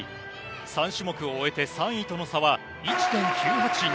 ３種目を終えて３位との差は１．９８２。